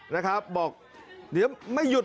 นะครับบอกเดี๋ยวไม่หยุด